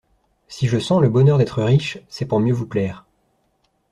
Si je sens le bonheur d'être riche, c'est pour mieux vous plaire.